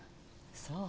そう。